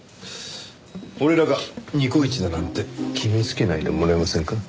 俺らがニコイチだなんて決めつけないでもらえませんか？